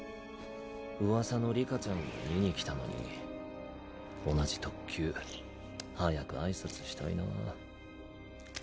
うわさの里香ちゃんを見に来たのに。同じ特級早く挨拶したいなぁ。